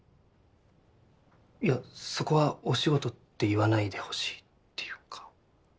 いやそこは「お仕事」って言わないでほしいっていうか。